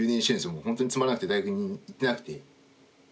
もう本当につまらなくて大学に行ってなくて。